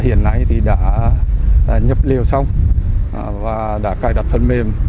hiện nay đã nhập liều xong và đã cài đặt thân mềm